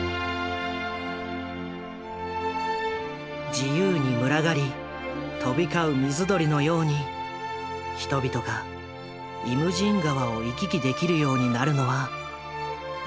「自由にむらがり飛びかう水鳥」のように人々が「イムジン河」を行き来できるようになるのはいつの日なのか。